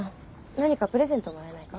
何かプレゼントもらえないか？